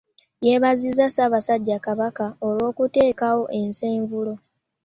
Yeebazizza Ssaabasajja Kabaka olw'okuteekawo essenvulo